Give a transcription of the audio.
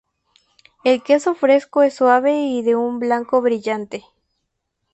El queso fresco es suave y de un blanco brillante.